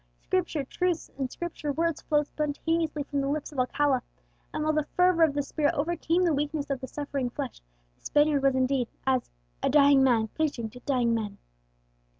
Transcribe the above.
Scripture truths in Scripture words flowed spontaneously from the lips of Alcala; and while the fervour of the spirit overcame the weakness of the suffering flesh, the Spaniard was indeed as "a dying man preaching to dying men."